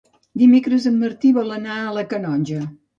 Dimecres en Martí vol anar a la Canonja.